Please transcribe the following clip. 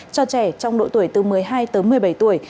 cho trẻ trong độ tuổi từ một mươi hai tới một mươi bảy tuổi